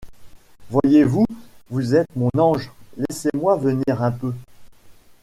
Voyez-vous, vous êtes mon ange, laissez-moi venir un peu.